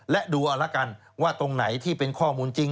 และดูเอาละกันว่าตรงไหนที่เป็นข้อมูลจริง